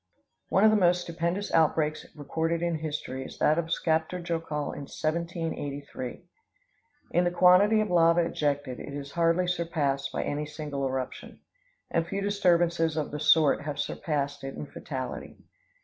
One of the most stupendous outbreaks recorded in history is that of Skaptar Jokul in 1783. In the quantity of lava ejected, it is hardly surpassed by any single eruption; and few disturbances of the sort have surpassed it in fatality.